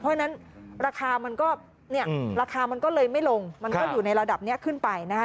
เพราะฉะนั้นราคามันก็เลยไม่ลงมันก็อยู่ในระดับนี้ขึ้นไปนะฮะ